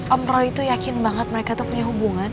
om roro itu yakin banget mereka tuh punya hubungan